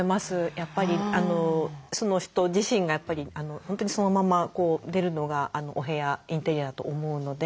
やっぱりその人自身が本当にそのまま出るのがお部屋インテリアと思うので。